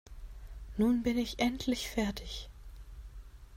Nun bin ich endlich fertig.